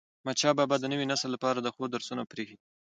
احمدشاه بابا د نوي نسل لپاره د ښو درسونه پريښي دي.